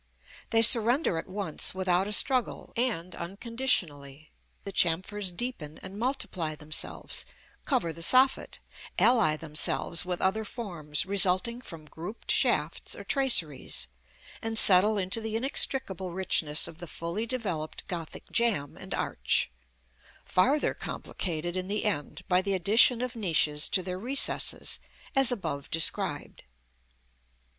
They surrender at once without a struggle, and unconditionally; the chamfers deepen and multiply themselves, cover the soffit, ally themselves with other forms resulting from grouped shafts or traceries, and settle into the inextricable richness of the fully developed Gothic jamb and arch; farther complicated in the end by the addition of niches to their recesses, as above described.